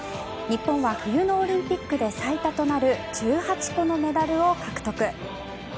日本は冬のオリンピックで最多となる１８個のメダルを獲得。